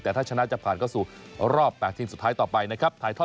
แต่ถ้าชนะจะผ่านเข้าสู่รอบ๘ทีมสุดท้ายต่อไปนะครับ